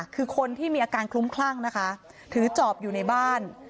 คือคนที่มีอาการคลุ้มคลั่งนะคะถือจอบอยู่ในบ้าน